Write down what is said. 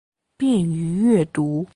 便于阅读